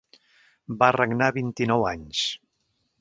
Va regnar vint-i-nou anys.